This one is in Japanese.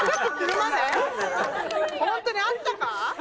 本当にあったか？